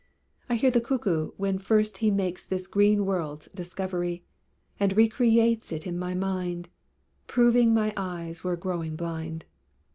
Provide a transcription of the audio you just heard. I hear the Cuckoo when first he Makes this green world's discovery, And re creates it in my mind, Proving my eyes were growing blind.